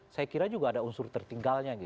saya kira juga ada unsur tertinggalnya